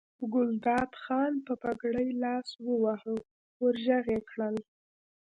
ګلداد خان په پګړۍ لاس وواهه ور غږ یې کړل.